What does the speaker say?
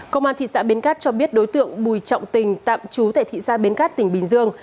công an thị xã bến cát cho biết đối tượng bùi trọng tình tạm chú tại thị xã bến cát tỉnh bình dương